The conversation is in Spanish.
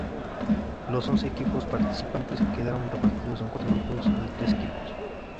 Los once equipos participantes quedaron repartidos en cuatro grupos de tres equipos.